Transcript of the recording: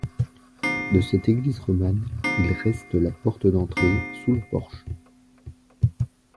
De cette église romane, il reste la porte d'entrée sous le porche.